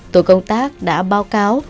tổ công tác đã báo cáo